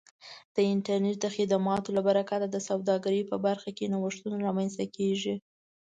د انټرنیټ د خدماتو له برکت د سوداګرۍ په برخه کې نوښتونه رامنځته کیږي.